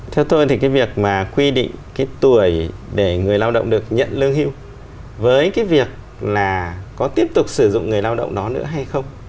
theo tôi thì cái việc mà quy định cái tuổi để người lao động được nhận lương hưu với cái việc là có tiếp tục sử dụng người lao động đó nữa hay không